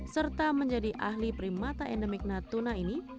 serta menjadi ahli primata endemik natuna ini